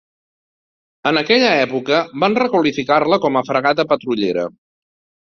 En aquella època, van requalificar-la com a fragata patrullera.